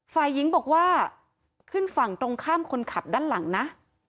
ฝ่ายหญิงบอกว่าขึ้นฝั่งตรงข้ามคนขับด้านหลังนะ